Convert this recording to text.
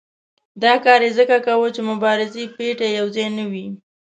دا کار یې ځکه کاوه چې مبارزې پېټی یو ځای نه وي.